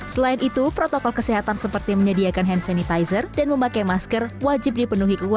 selain itu protokol kesehatan seperti menyediakan hand sanitizer dan memakai masker wajib dipenuhi